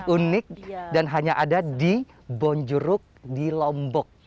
unik dan hanya ada di bonjuruk di lombok